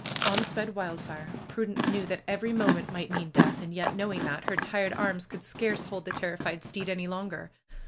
On sped Wildfire ! Prudence knew that every moment might mean death and yet, knowing that, her tired arms could scarce hold the terrified steed any longer.